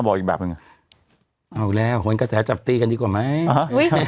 บอกอีกแบบหนึ่งน่ะเอาแล้วคนกะแชจับตีกันดีกว่าไหมอ้าหะอุ้ย